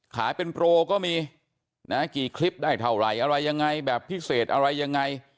ขายเป็นโปรก็มีนะกี่คลิปได้เท่าไหร่อะไรยังไงแบบพิเศษอะไรยังไง